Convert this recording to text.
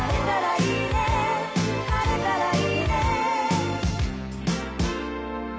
「晴れたらいいね」